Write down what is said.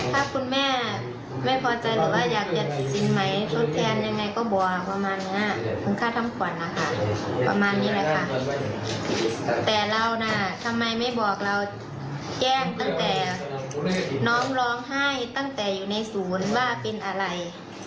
ทำไมไม่บอกเราแจ้งตั้งแต่น้องร้องไห้ตั้งแต่อยู่ในศูนย์ว่าเป็นอะไร